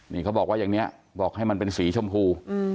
นี่เขาบอกว่าอย่างนี้บอกให้มันเป็นสีชมพู